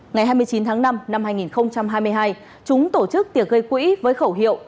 ngày hai mươi chín tháng năm năm hai nghìn hai mươi hai chúng tổ chức tiệc gây quỹ với khẩu hiệu